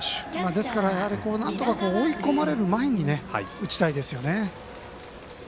ですから、なんとか追い込まれる前に打ちたいですよね。